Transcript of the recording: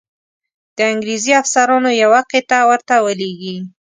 د انګرېزي افسرانو یوه قطعه ورته ولیږي.